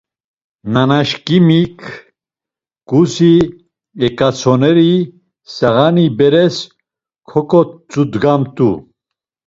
Nanaşǩimik ǩuzi eǩotsoneri sağani beres koǩotzudgamt̆u.